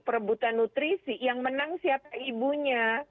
perebutan nutrisi yang menang siapa ibunya